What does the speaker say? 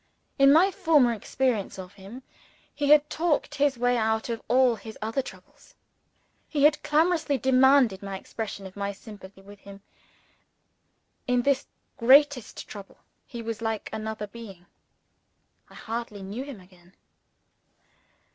In my former experience of him, he had talked his way out of all his other troubles he had clamorously demanded the expression of my sympathy with him. In this greatest trouble, he was like another being; I hardly knew him again!